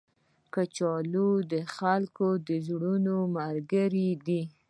کچالو د خلکو د زړونو ملګری دی